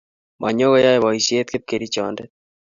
manyo koyae boisiet kipkerichonde.